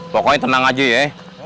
pokoknya tenang aja ya